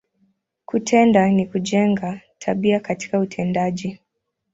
Kutenda, ni kujenga, tabia katika utendaji.